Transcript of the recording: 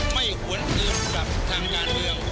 ไม่หวนเกินกับทางงานเรือง